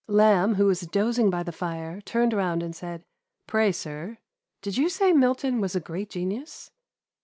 Lamb, who was dozing by the fire, turned round and said, " Pray, sir, did you say Milton was a great genius